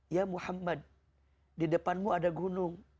ya muhammad di depanmu ada gunung